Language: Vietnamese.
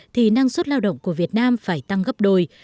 thì năng suất lao động của việt nam phải tăng gấp đôi